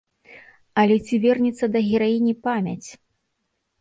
Але ці вернецца да гераіні памяць?